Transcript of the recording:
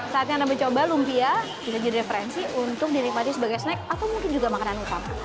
saatnya anda mencoba lumpia bisa jadi referensi untuk dinikmati sebagai snack atau mungkin juga makanan utama